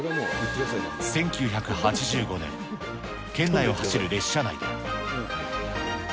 １９８５年、県内を走る列車内で。